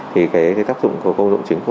thì tác dụng của công dụng chính